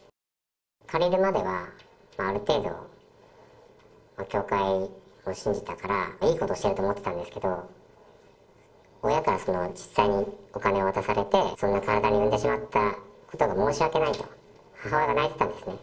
借りるまではある程度、教会を信じてたから、いいことをしてると思ってたんですけど、親から実際にお金を渡されて、そんな体に産んでしまったことが申し訳ないと、母親が泣いてたんですね。